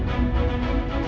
ini salah ibu